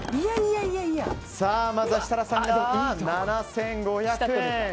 まずは設楽さんが７５００円。